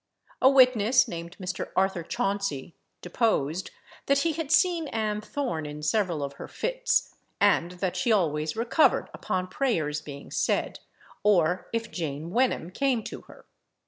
A witness, named Mr. Arthur Chauncy, deposed, that he had seen Ann Thorne in several of her fits, and that she always recovered upon prayers being said, or if Jane Wenham came to her.